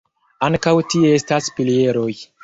Ankaŭ tie estas pilieroj.